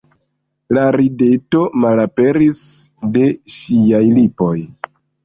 La rideto malaperis de ŝiaj lipoj.